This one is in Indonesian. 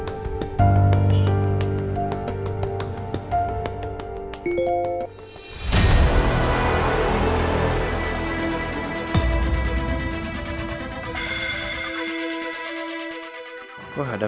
randy kayak belum datang